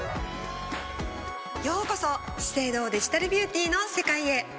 ようこそ資生堂デジタルビューティーの世界へ。